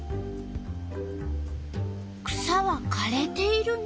草はかれているね。